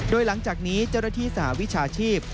โดยหลังจากนี้เจ้าหน้าที่สหวิชาชีพ